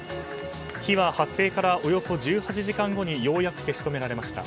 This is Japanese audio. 火は発生からおよそ１８時間後にようやく消し止められました。